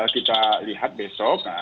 kita lihat besok